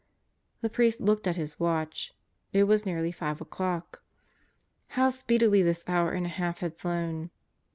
The priest looked at his watch. It was nearing five o'clock. How speedily this hour and a half had flown!